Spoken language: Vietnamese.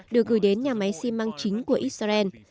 được gửi đến nhà máy xi măng chính của israel